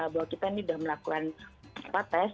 bahwa kita ini sudah melakukan tes